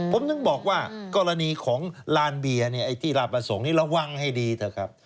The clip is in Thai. ผมถึงบอกว่ากรณีของลานเบียร์ที่ลาประสงค์นี้ระวังให้ดีเถอะครับ